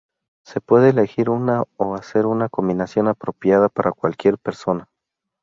Se puede elegir una o hacer una combinación apropiada para cualquier persona.